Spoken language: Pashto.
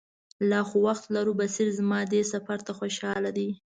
لا خو وخت لرو، بصیر زما دې سفر ته خوشاله دی.